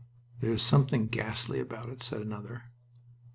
"There is something ghastly about it," said another.